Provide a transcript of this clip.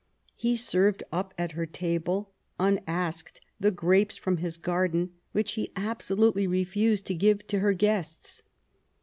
He served up at her table, unasked, the grapes from his garden which he absolutely refused to give to her guests.